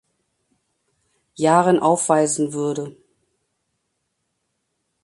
Jahren aufweisen würde.